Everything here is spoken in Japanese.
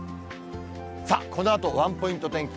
さあ、このあと、ワンポイント天気。